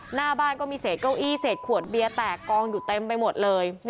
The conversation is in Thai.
หน้าบ้านก็มีเศษเก้าอี้เศษขวดเบียร์แตกกองอยู่เต็มไปหมดเลย